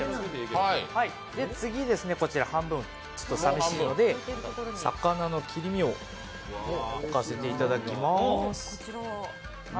次ですね、半分さみしいので、魚の切り身を置かせていただきます。